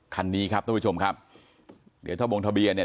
คันนี้ครับท่านผู้ชมครับเดี๋ยวถ้าวงทะเบียนเนี่ย